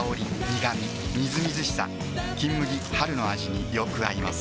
みずみずしさ「金麦」春の味によく合います